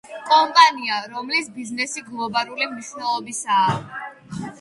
კომპანია რომლის ბიზნესი გლობალური მნიშვნელობისაა